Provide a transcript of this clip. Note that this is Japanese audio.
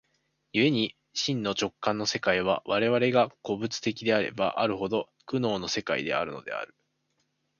故に真の直観の世界は、我々が個物的であればあるほど、苦悩の世界であるのである。